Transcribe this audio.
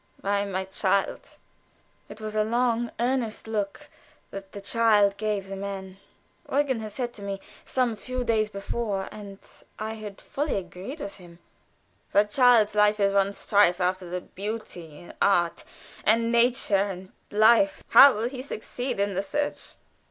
"Why, my child?" It was a long earnest look that the child gave the man. Eugen had said to me some few days before, and I had fully agreed with him: "That child's life is one strife after the beautiful in art, and nature, and life how will he succeed in the search?"